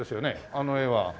あの絵は。